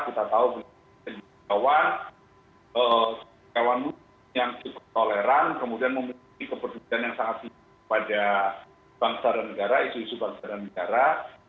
kita tahu beliau adalah seorang kawan kawan yang super toleran kemudian memiliki keperluan yang sangat tinggi pada isu isu bangsa dan negara